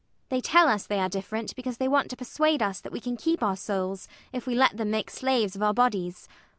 They tell us they are different because they want to persuade us that we can keep our souls if we let them make slaves of our bodies.